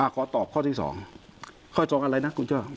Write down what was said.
ขอตอบข้อที่๒ข้อจงอะไรนะคุณเจ้า